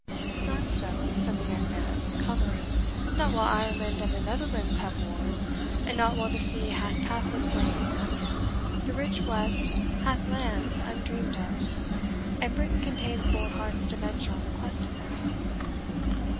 "Not so," said the young man, colouring, "not while Ireland and the Netherlands have wars, and not while the sea hath pathless waves. The rich West hath lands undreamed of, and Britain contains bold hearts to venture on the quest of them.